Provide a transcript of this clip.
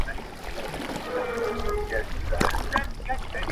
میاشت لا نه وه تېره سوې چي قیامت سو،